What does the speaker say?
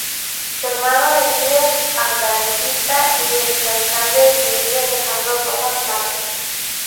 Es hermano del líder andalucista y ex-alcalde de Sevilla Alejandro Rojas-Marcos.